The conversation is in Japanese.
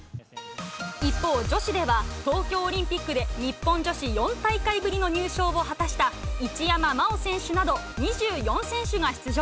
一方、女子では、東京オリンピックで日本女子４大会ぶりの入賞を果たした一山麻緒選手など、２４選手が出場。